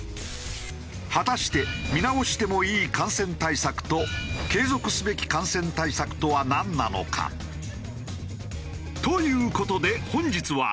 果たして見直してもいい感染対策と継続すべき感染対策とはなんなのか？という事で本日は。